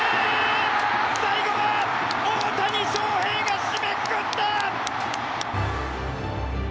最後は大谷翔平が締めくくった！